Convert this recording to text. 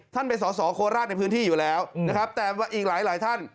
ท่านไปสอสอโคราชในพื้นที่อยู่แล้วนะครับแต่ว่าอีกหลายหลายท่าน